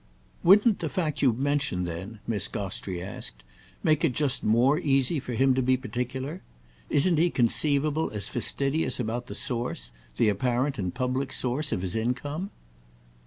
"Wouldn't the fact you mention then," Miss Gostrey asked, "make it just more easy for him to be particular? Isn't he conceivable as fastidious about the source—the apparent and public source—of his income?"